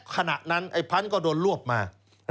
ขณะนั้นไอ้พันธุ์ก็โดนรวบมา